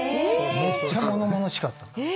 めっちゃ物々しかった。